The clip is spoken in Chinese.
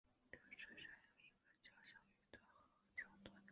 这个城市还有一个交响乐团和合唱团。